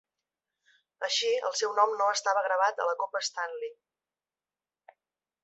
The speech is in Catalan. Així, el seu nom no estava gravat a la Copa Stanley.